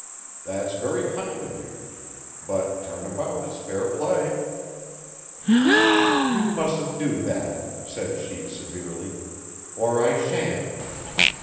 "That's very kind of you; but turn about is fair play." "You mustn't do that," said she severely, "or I shan't."